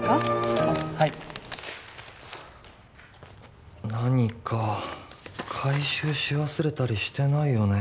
あっはい何か回収し忘れたりしてないよね？